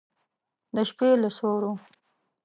د شپې له سیورو